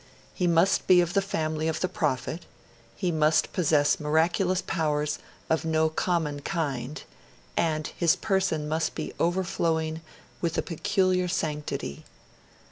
He must be of the family of the prophet; he must possess miraculous powers of no common kind; and his person must be overflowing with a peculiar sanctity.